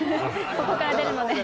ここから出るまで。